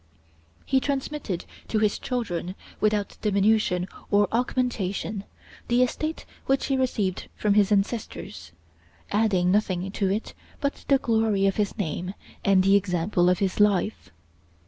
He transmitted to his children, without diminution or augmentation, the estate which he received from his ancestors, adding nothing to it but the glory of his name and the example of his life.